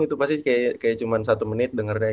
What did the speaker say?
itu pasti kayak cuma satu menit dengernya